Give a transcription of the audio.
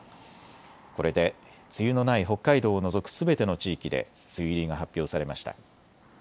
これで梅雨のない北海道を除くすべての地域で梅雨入りが発表されました。